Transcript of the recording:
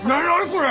これ！